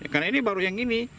karena ini baru yang ini